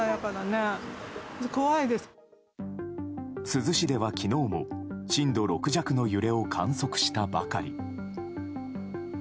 珠洲市では昨日も震度６弱の揺れを観測したばかり。